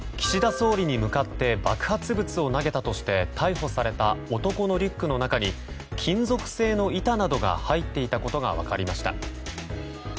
総理に向かって爆発物を投げたとして逮捕された男のリュックの中に金属製の板などが入っていたことが分かりました。